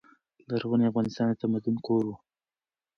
لرغونی افغانستان د تمدن کور و.